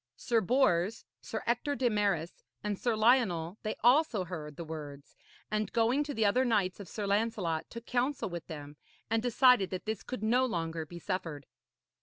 Sir Bors, Sir Ector de Maris and Sir Lionel, they also heard the words, and going to the other knights of Sir Lancelot, took counsel with them, and decided that this could no longer be suffered.